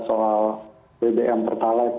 soal bbm pertalite